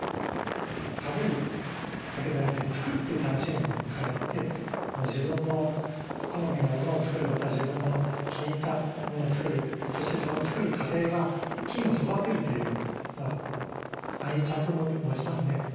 食べるだけじゃなくて作るという楽しみもやはりあって自分の好みのものを作るまた自分の気に入ったものを作るそしてその作る過程は菌を育てるという愛着も持ちますね。